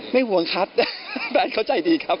ห่วงครับแฟนเขาใจดีครับ